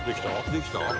「できた？」